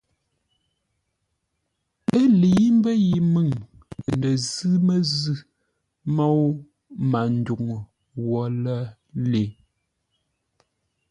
Ə́ lə̌i mbə́ yi məŋ ndə zʉ́ məzʉ̂ môu Manduŋ wə́ lə́ lée.